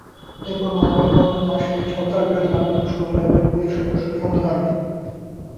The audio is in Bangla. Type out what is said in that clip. এরপর নভেম্বর মাসেই সরকারবিরোধী আন্দোলন শুরু হলে একজন পুলিশ সদস্য নিহত হন।